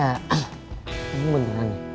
eh ini beneran ya